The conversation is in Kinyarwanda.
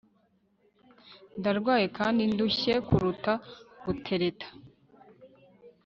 Ndarwaye kandi ndushye kuruta gutereta